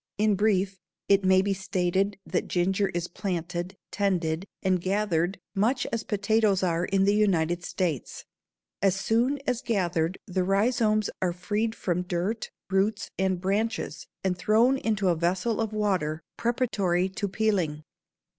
In brief it may be stated that ginger is planted, tended, and gathered much as potatoes are in the United States. As soon as gathered the rhizomes are freed from dirt, roots, and branches and thrown into a vessel of water preparatory to peeling.